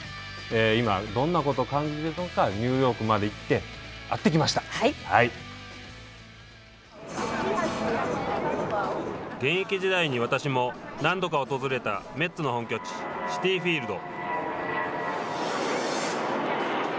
今、どんなことを感じてるのかニューヨークまで行って、会って現役時代に私も何度か訪れたメッツの本拠地シティ・フィールド。